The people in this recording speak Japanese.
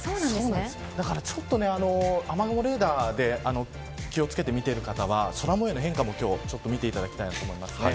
だから、雨雲レーダーで気を付けて見ている方は空模様の変化も見ていきたいいただきたいと思います。